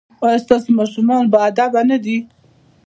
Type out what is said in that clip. ایا ستاسو ماشومان باادبه نه دي؟